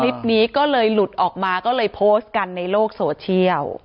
คลิปนี้ก็เลยหลุดออกมาก็เลยโพสต์กันในโลกโซเชียล